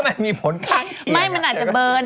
เพราะมันมีผลคล้างกินไม่มันอาจจะเบิร์น